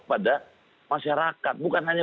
pada masyarakat bukan hanya